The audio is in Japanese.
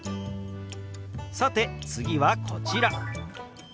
さて次はこちら。